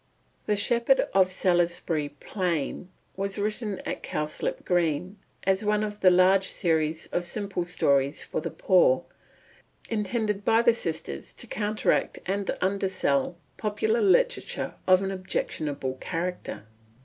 The Shepherd of Salisbury Plain was written at Cowslip Green, as one of a large series of simple stories for the poor, intended by the sisters to counteract and undersell popular literature of an objectionable character.